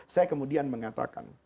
saya kemudian mengatakan